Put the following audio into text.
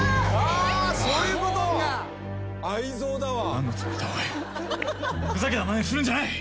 「何のつもりだおいふざけたまねするんじゃない！」